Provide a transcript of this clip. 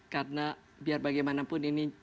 karena biar bagaimanapun ini